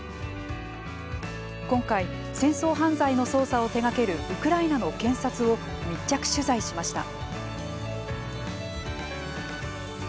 今回、戦争犯罪の捜査を手がけるウクライナの検察を密着取材しました。